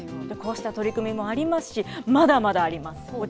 こうした取り組みもありますし、まだまだあります。